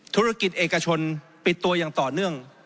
ธุรกิจเอกชนปิดตัวอย่างต่อเนื่อง